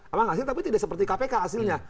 emang hasil tapi tidak seperti kpk hasilnya